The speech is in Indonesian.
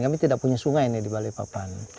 kami tidak punya sungai nih di bali papan